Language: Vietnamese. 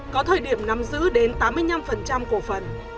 có thời điểm nắm giữ đến tám mươi năm cổ phần